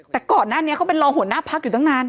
แต่ก่อนหน้านี้เขาเป็นรองหัวหน้าพักอยู่ตั้งนาน